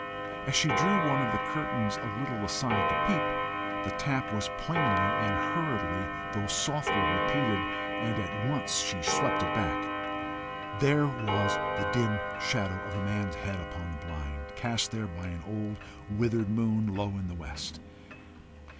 As she drew one of the curtains a little aside to peep, the tap was plainly and hurriedly though softly repeated, and at once she swept it back. There was the dim shadow of a man's head upon the blind, cast there by an old withered moon low in the west!